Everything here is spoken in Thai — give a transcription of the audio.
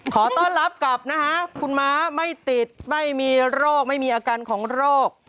ขอต้อนรับกลับนะฮะคุณม้าไม่ติดไม่มีโรคไม่มีอาการของโรค